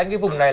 anh cái vùng này